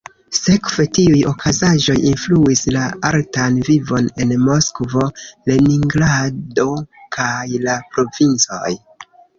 Sekve, tiuj okazaĵoj influis la artan vivon en Moskvo, Leningrado, kaj la provincoj.